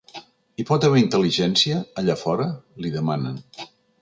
Hi pot haver intel·ligència, allà fora?, li demanen.